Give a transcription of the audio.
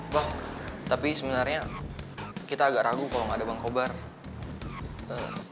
bah tapi sebenarnya kita agak ragu kalo ga ada bang cobra